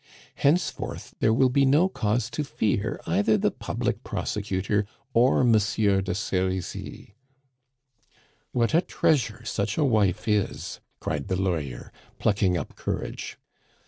Henceforth there will be no cause to fear either the public prosecutor or Monsieur de Serizy." "What a treasure such a wife is!" cried the lawyer, plucking up courage.